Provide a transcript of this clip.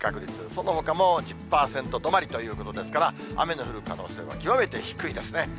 そのほかも１０％止まりということですから、雨の降る可能性は極めて低いですね。